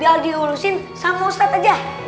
biar diurusin sama ustazah aja